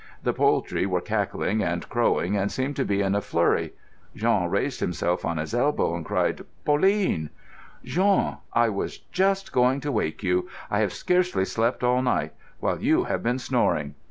The poultry were cackling and crowing and seemed to be in a flurry. Jean raised himself on his elbow and called: "Pauline!" "Jean! I was just going to wake you. I have scarcely slept all night, while you have been snoring.